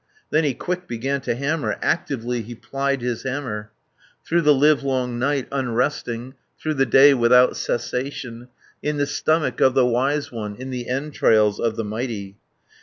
140 Then he quick began to hammer, Actively he plied his hammer, Through the livelong night, unresting, Through the day without cessation In the stomach of the wise one, In the entrails of the mighty.